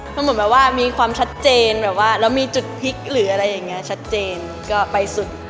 มันเหมือนแบบว่ามีความชัดเจนแบบว่าเรามีจุดพลิกหรืออะไรอย่างนี้ชัดเจนก็ไปสุด